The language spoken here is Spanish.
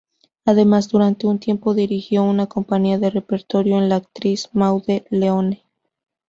Además, durante un tiempo dirigió una compañía de repertorio con la actriz Maude Leone.